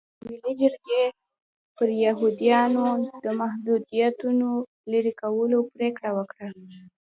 ملي جرګې پر یهودیانو د محدودیتونو لرې کولو پرېکړه وکړه.